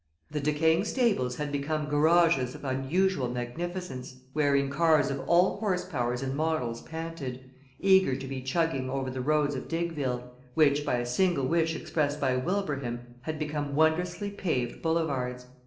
The decaying stables had become garages of unusual magnificence, wherein cars of all horsepowers and models panted, eager to be chugging over the roads of Diggville, which by a single wish expressed by Wilbraham had become wondrously paved boulevards.